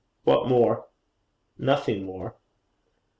'What more?' 'Nothing more.'